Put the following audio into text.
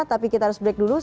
tapi kita harus break dulu